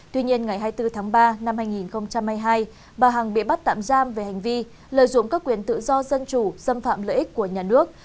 tuy nhiên ngày hai mươi bốn tháng ba năm hai nghìn hai mươi hai bà hằng bị bắt tạm giam về hành vi lợi dụng các quyền tự do dân chủ xâm phạm lợi ích của nhà nước